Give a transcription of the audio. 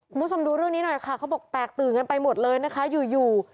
คุณผู้ชมดูเรื่องนี้หน่อยค่ะเขาบอกแตกตื่นกันไปหมดเลยนะคะอยู่อยู่